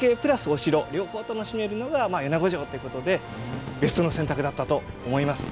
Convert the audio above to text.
お城両方楽しめるのが米子城ということでベストの選択だったと思います。